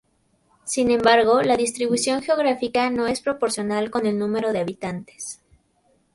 Sin embargo, la distribución geográfica no es proporcional con el número de habitantes.